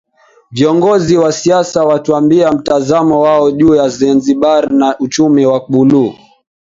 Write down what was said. Viongozi wa siasa watuambie Mtazamo wao juu ya Zanzibar na uchumi wa buluu